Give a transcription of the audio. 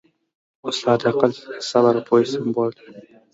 استاد د عقل، صبر او پوهې سمبول دی.